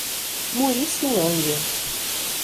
Muricilândia